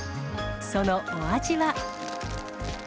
そのお味は。